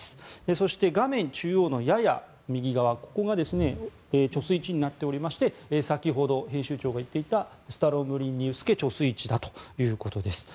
そして、画面中央のやや右側ここが貯水池になっていまして先ほど編集長が言っていたスタロムリンニウスケ貯水池ということです。